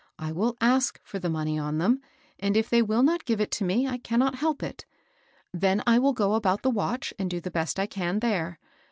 I will obTc for the money on them, and if they will not give it to me, I cannot help it. Then I will go aboat the watch, and do the best I can there.